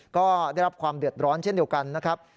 ก็ได้รับความเดือดร้อนเช่นเดียวกันนะครับ